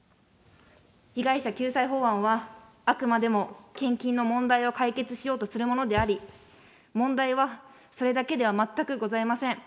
被害者救済法案は、あくまでも献金の問題を解決しようとするものであり、問題はそれだけでは全くございません。